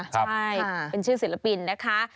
ใช่เป็นชื่อศิลปินนะคะ